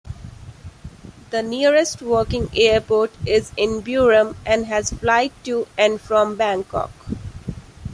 The nearest working airport is in Buriram and has flights to and from Bangkok.